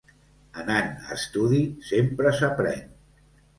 Anant a estudi sempre s'aprèn.